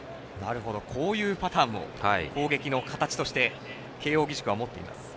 こういうパターンも攻撃の形として慶応義塾は持っています。